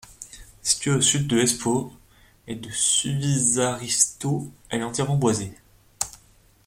Située au Sud de Espoo et de Suvisaaristo, elle est entièrement boisée.